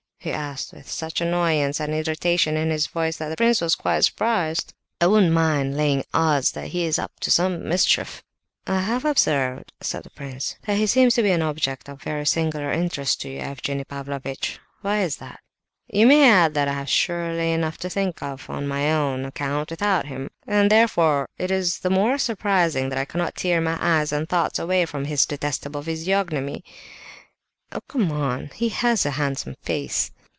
he asked, with such annoyance and irritation in his voice that the prince was quite surprised. "I wouldn't mind laying odds that he is up to some mischief." "I have observed," said the prince, "that he seems to be an object of very singular interest to you, Evgenie Pavlovitch. Why is it?" "You may add that I have surely enough to think of, on my own account, without him; and therefore it is all the more surprising that I cannot tear my eyes and thoughts away from his detestable physiognomy." "Oh, come! He has a handsome face."